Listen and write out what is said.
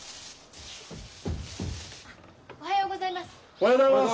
おはようございます。